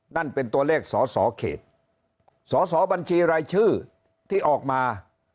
นั่นเป็นตัวเลขสอสอเขตสอสอบัญชีรายชื่อที่ออกมา